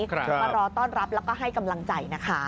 มารอต้อนรับแล้วก็ให้กำลังใจนะคะ